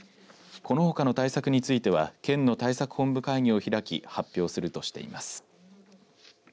このほかの対策については県の対策本部会議を開き発表するとしています。